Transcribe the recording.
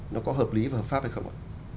nó có hợp lý và hợp pháp hay không ạ